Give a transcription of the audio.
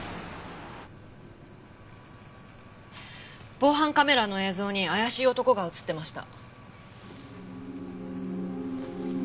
防犯カメラの映像に怪しい男が映ってました。